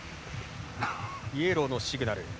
イエローのシグナル。